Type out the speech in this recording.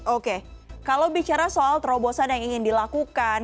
oke kalau bicara soal terobosan yang ingin dilakukan